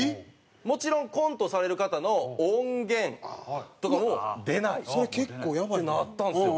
もちろんコントされる方の音源とかも出ないってなったんですよ。